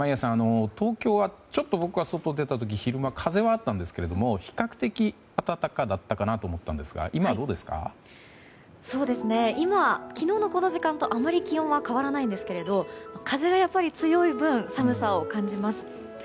東京はちょっと僕が外出た時昼間、風はあったんですけど比較的、暖かだったかなと思ったんですが今は昨日のこの時間とあまり気温は変わらないんですけど風がやっぱり強い分寒さを感じます。